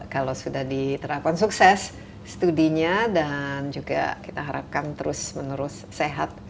kalau sudah diterapkan sukses studinya dan juga kita harapkan terus menerus sehat